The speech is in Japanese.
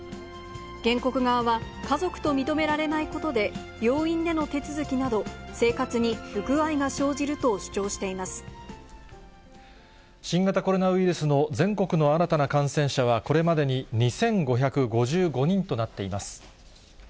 原告側は家族と認められないことで、病院での手続きなど、生活に不具合が生じると主張して新型コロナウイルスの全国の新たな感染者は、これまでに２５５５人となっています。